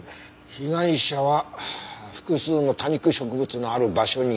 被害者は複数の多肉植物のある場所にいた。